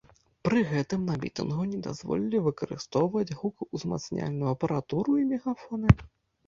Пры гэтым на мітынгу не дазволілі выкарыстоўваць гукаўзмацняльную апаратуру і мегафоны.